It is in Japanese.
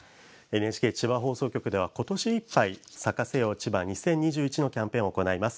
ＮＨＫ千葉放送局では今年いっぱい「咲かせよう千葉２０２１」のキャンペーンを行います。